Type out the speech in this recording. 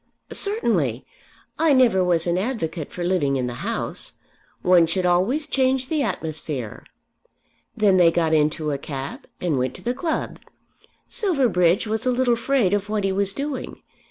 "Certainly. I never was an advocate for living in the House. One should always change the atmosphere." Then they got into a cab and went to the club. Silverbridge was a little afraid of what he was doing.